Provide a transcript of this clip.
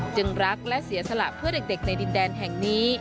รักและเสียสละเพื่อเด็กในดินแดนแห่งนี้